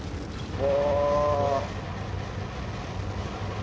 お！